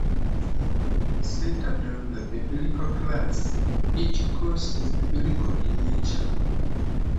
Centered on the Bible class, each course is Biblical in nature.